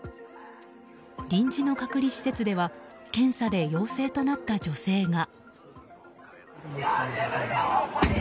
臨時の隔離施設では検査で陽性となった女性が。